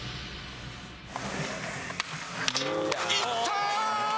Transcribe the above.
いったー！